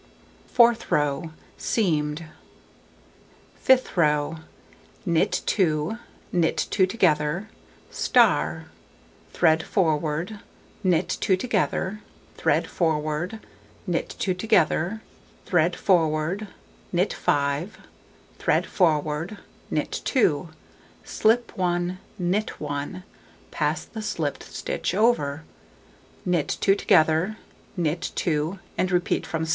Fourth row: Seamed. Fifth row: Knit 2, knit 2 together,* thread forward, knit 2 together, thread forward, knit 2 together, thread forward, knit 5, thread forward, knit 2, slip 1, knit 1, pass the slipped stitch over, knit 2 together, knit 2, and repeat from *.